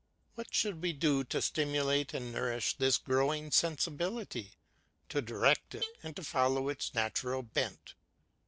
What should we do to stimulate and nourish this growing sensibility, to direct it, and to follow its natural bent?